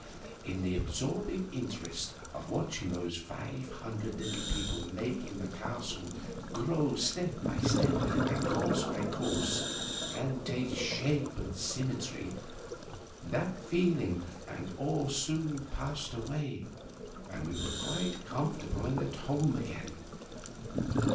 In the absorbing interest of watching those five hundred little people make the castle grow step by step and course by course, and take shape and symmetry, that feeling and awe soon passed away and we were quite comfortable and at home again.